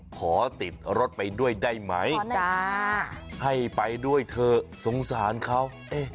ขอติดรถไปด้วยได้ไหมให้ไปด้วยเถอะสงสารเขา